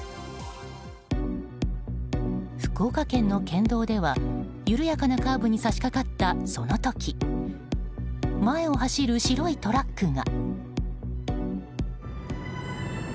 福岡県の県道では緩やかなカーブに差し掛かったその時前を走る白いトラックが。